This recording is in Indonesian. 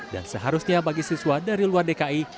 dan seharusnya bagi siswa dari luar dki